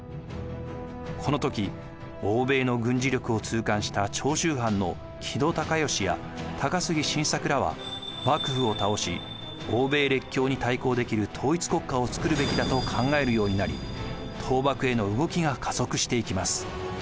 この時欧米の軍事力を痛感した長州藩の木戸孝允や高杉晋作らは幕府を倒し欧米列強に対抗できる統一国家をつくるべきだと考えるようになり倒幕への動きが加速していきます。